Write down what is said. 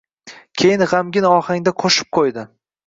Keyin g‘amgin ohangda qo‘shib qo‘ydi: